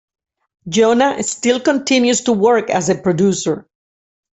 Jonah still continues to work as a producer.